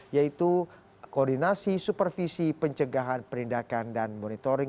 yaitu koordinasi supervisi pencegahan perindakan dan monitoring